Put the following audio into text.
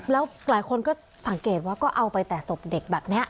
แล้วหลายคนก็สังเกตว่าก็เอาไปแต่ศพเด็กแบบนี้